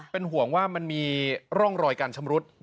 เป็นห่วงว่ามันมีร่องรอยการชำรุด